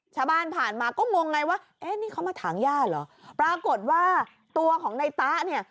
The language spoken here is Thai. ผ่านมาก็งงไงว่าเอ๊ะนี่เขามาถางย่าเหรอปรากฏว่าตัวของในตะเนี่ย